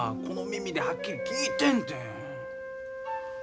この耳ではっきり聞いてんて。